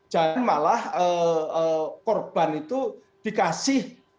dan malah korban itu dikasih